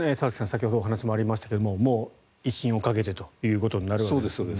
先ほどもお話がありましたがもう威信をかけてということになるわけですね。